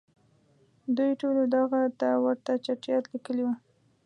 دوی ټولو دغه ته ورته چټیاټ لیکلي وو.